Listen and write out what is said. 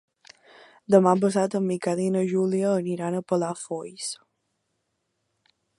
Demà passat en Miquel i na Júlia iran a Palafolls.